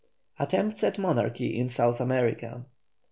ATTEMPTS AT MONARCHY IN SOUTH AMERICA.